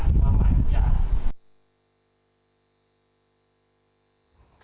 มีคุณค่าความหมายทุกอย่าง